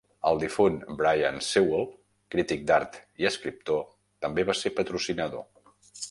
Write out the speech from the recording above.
El difunt Brian Sewell, crític d'art i escriptor, també va ser patrocinador.